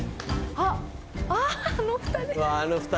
ああの２人！